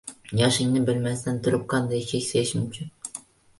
Yoshingni bilmasdan turib, qanday keksayish mumkin?